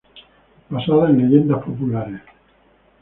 Basada en leyendas populares.